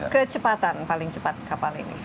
kecepatan paling cepat kapal ini